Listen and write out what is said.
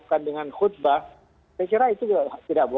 yang akan mengganggu terhadap terciptanya kerukunan yang selama ini sudah membahas